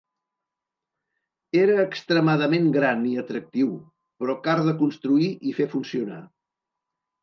Era extremadament gran i atractiu, però car de construir i fer funcionar.